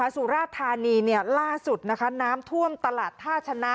สุราธานีล่าสุดนะคะน้ำท่วมตลาดท่าชนะ